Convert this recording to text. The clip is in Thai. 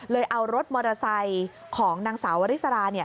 เอารถมอเตอร์ไซค์ของนางสาววริสรา